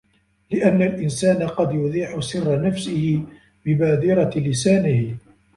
لِأَنَّ الْإِنْسَانَ قَدْ يُذِيعَ سِرَّ نَفْسِهِ بِبَادِرَةِ لِسَانِهِ